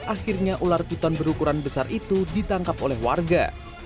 akhirnya ular piton berukuran besar itu ditangkap oleh warga